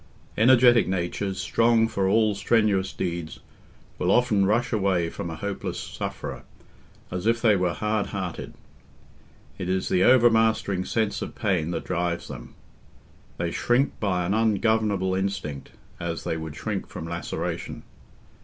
Energetic natures, strong for all strenuous deeds, will often rush away from a hopeless sufferer, as if they were hard hearted. It is the overmastering sense of pain that drives them. They shrink by an ungovernable instinct, as they would shrink from laceration.